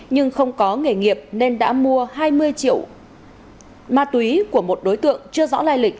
nhưng không có nghề nghiệp nên đã mua hai mươi triệu ma túy của một đối tượng chưa rõ lai lịch